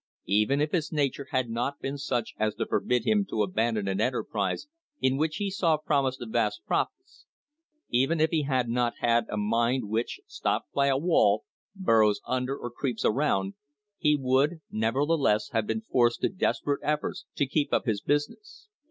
Even if his nature had not been such as to forbid him to abandon an enterprise in which he saw promise of vast profits, even if he had not had a mind which, stopped by a wall, burrows under or creeps around, he would nevertheless have been forced to desperate efforts to keep up his business.